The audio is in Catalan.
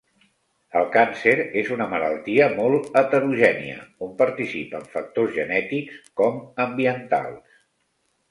El càncer és una malaltia molt heterogènia on participen factors genètics, com ambientals.